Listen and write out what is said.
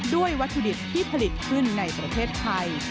วัตถุดิบที่ผลิตขึ้นในประเทศไทย